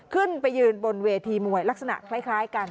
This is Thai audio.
ขึ้นไปยืนบนเวทีมวยลักษณะคล้ายกัน